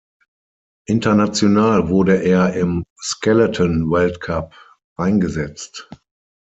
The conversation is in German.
International wurde er im Skeleton-Weltcup eingesetzt.